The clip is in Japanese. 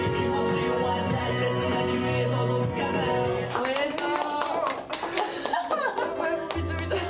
おめでとう！